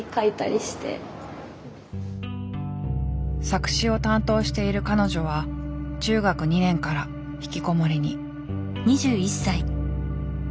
作詞を担当している彼女は中学２年から引きこもりに。